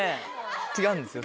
違うんですよ